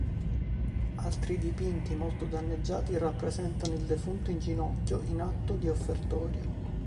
Altri dipinti, molto danneggiati, rappresentano il defunto in ginocchio in atto di offertorio.